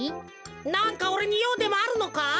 なんかおれにようでもあるのか？